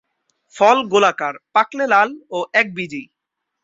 ফল গোলাকার, পাকলে লাল ও একবীজী।